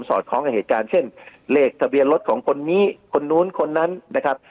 อดคล้องกับเหตุการณ์เช่นเลขทะเบียนรถของคนนี้คนนู้นคนนั้นนะครับ